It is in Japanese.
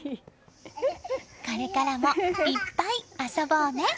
これからもいっぱい遊ぼうね！